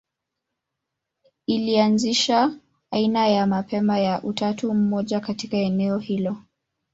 Ilianzisha aina ya mapema ya utatu mmoja katika eneo hilo.